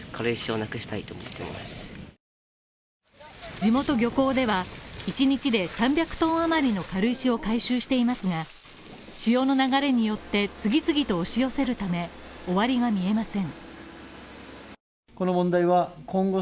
地元漁港では、１日で３００トン余りの軽石を回収していますが、潮の流れによって、次々と押し寄せるため、終わりが見えません。